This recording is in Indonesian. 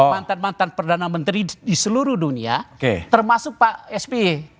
mantan mantan perdana menteri di seluruh dunia termasuk pak sby